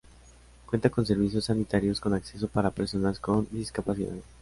Cuenta con servicios sanitarios con acceso para personas con discapacidad.